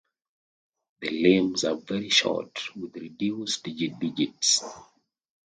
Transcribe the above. The limbs are very short, with reduced digits.